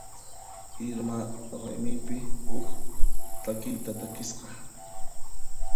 Irma raymipi huk takiyta takisqa.